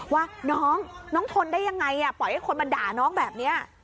ว่าน้องน้องทนได้ยังไงปล่อยให้คนมาด่าน้องแบบนี้